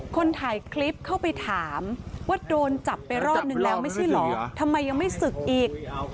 คนถ่ายคลิปเข้าไปถามว่าโดนจับไปรอบนึงแล้วไม่ใช่เหรอทำไมยังไม่ศึกอีก